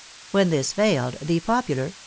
When this failed, the popular